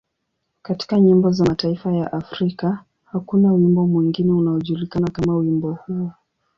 Katika nyimbo za mataifa ya Afrika, hakuna wimbo mwingine unaojulikana kama wimbo huo.